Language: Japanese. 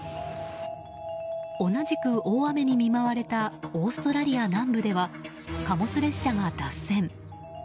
同じく大雨に見舞われたオーストラリア南部では貨物列車が脱線。